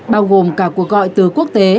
bao gồm cả cuộc gọi từ quốc tế